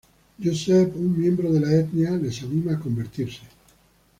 Joseph, un miembro de la etnia, les anima a convertirse.